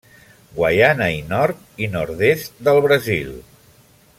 Guaiana i nord i nord-est del Brasil.